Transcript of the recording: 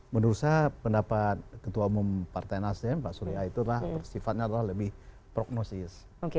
menurut saya pendapat ketua umum partai nasional pak surya itu adalah sifatnya lebih prognosis